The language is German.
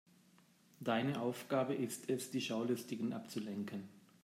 Deine Aufgabe ist es, die Schaulustigen abzulenken.